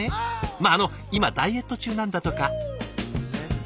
まああの今ダイエット中なんだとか。